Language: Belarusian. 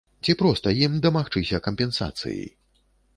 Ці проста ім дамагчыся кампенсацыі?